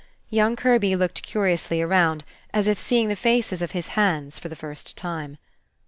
Young Kirby looked curiously around, as if seeing the faces of his hands for the first time.